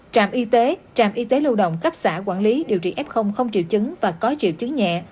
trạm y tế trạm y tế lưu động cấp xã quản lý điều trị f không triệu chứng và có triệu chứng nhẹ